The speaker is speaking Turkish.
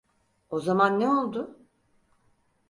O zaman ne oldu?